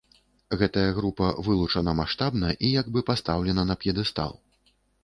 Гэтая група вылучана маштабна і як бы пастаўлена на п'едэстал.